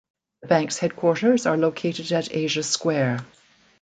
The bank's headquarters are located at Asia Square.